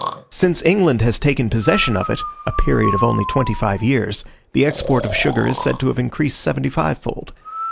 Since England has taken possession of it, a period of only twenty five years, the export of sugar is said to have increased seventy five fold.